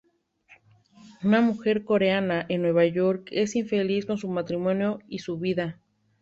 Una mujer coreana en Nueva York es infeliz con su matrimonio y su vida.